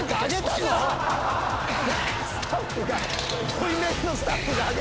ボイメンのスタッフが上げた。